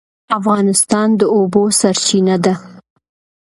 افغانستان د اوبو سرچینه ده